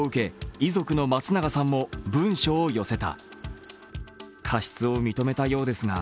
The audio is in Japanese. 遺族の松永さんも文書を寄せた。